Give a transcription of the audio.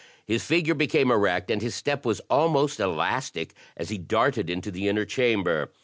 His figure became erect, and his step was almost elastic, as he darted into the inner chamber.